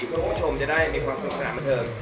เพื่อคุณผู้ชมจะได้มีความสุขสถานบันเทิง